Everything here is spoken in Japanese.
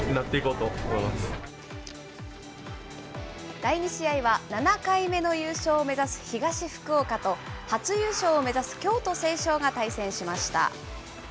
第２試合は、７回目の優勝を目指す東福岡と、初優勝を目指す京都成章が対戦しました。